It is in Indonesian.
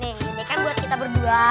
nih ini kan buat kita berdua